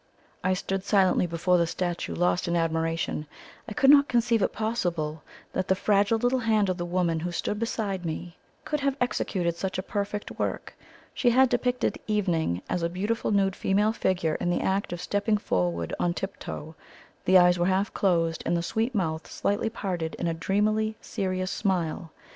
'" I stood silently before the statue, lost in admiration. I could not conceive it possible that the fragile little hand of the woman who stood beside me could have executed such a perfect work. She had depicted "Evening" as a beautiful nude female figure in the act of stepping forward on tip toe; the eyes were half closed, and the sweet mouth slightly parted in a dreamily serious smile.